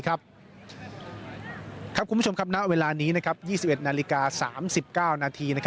คุณผู้ชมครับณเวลานี้๒๑นาฬิกา๓๙นาที